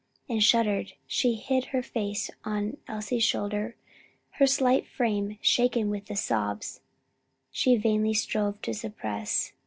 and shuddering she hid her face on Elsie's shoulder her slight frame shaken with the sobs she vainly strove to suppress.